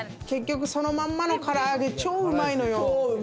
結局そのままのから揚げ、超うまいのよ。